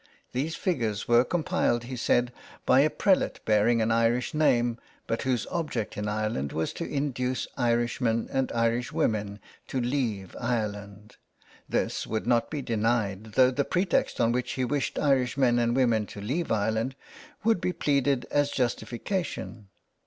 These figures were compiled, he said, by a prelate bearing an Irish name, but whose object in Ireland was to induce Irish men and Irish women to leave Ireland. This would not be denied, though the pretext on which he wished Irish men and women to leave Ireland would bepleaded as justification.